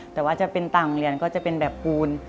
แต่ว่าจะเป็นต่างเหรียญก็จะเป็นแบบปูน